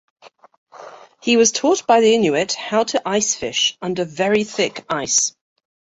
He was taught by the Inuit how to ice fish under very thick ice.